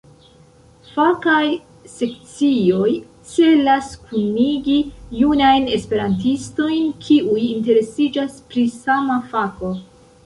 Fakaj sekcioj celas kunigi junajn Esperantistojn kiuj interesiĝas pri sama fako.